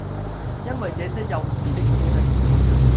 因爲這些幼稚的知識，